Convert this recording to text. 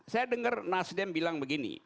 saya dengar nasdem bilang begini